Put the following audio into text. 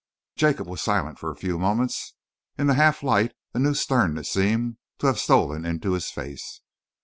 Jacob was silent for a few moments. In the half light, a new sternness seemed to have stolen into his face.